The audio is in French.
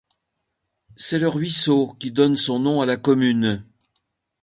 C'est le ruisseau qui donne son nom à la commune.